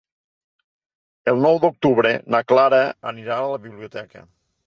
El nou d'octubre na Clara anirà a la biblioteca.